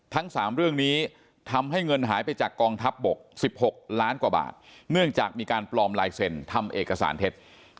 ทั้ง๓เรื่องนี้ทำให้เงินหายไปจากกองทัพบก๑๖ล้านกว่าบาทเนื่องจากมีการปลอมลายเซ็นทำเอกสารเท็จ